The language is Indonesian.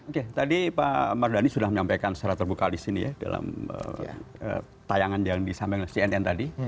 oke tadi pak mardhani sudah menyampaikan secara terbuka di sini ya dalam tayangan yang disampaikan oleh cnn tadi